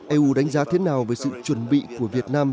eu đánh giá thế nào về sự chuẩn bị của việt nam